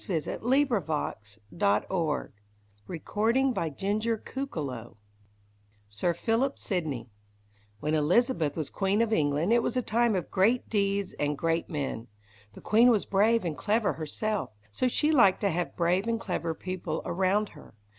[Illustration: CAXTON IN HIS PRINTING SHOP] =Sir Philip Sidney= When Elizabeth was Queen of England it was a time of great deeds and great men. The queen was brave and clever herself, so she liked to have brave and clever people around her.